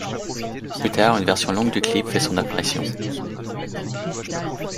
Plus tard, une version longue du clip fait son apparition.